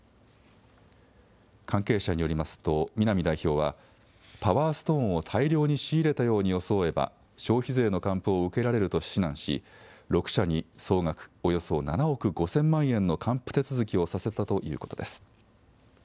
関係者によりますと、南代表は、パワーストーンを大量に仕入れたように装えば消費税の還付を受けられると指南し、６社に総額およそ７億５０００万円の還付手続きをさせたということです。